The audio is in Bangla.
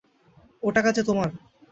ও টাকা যে তোমার।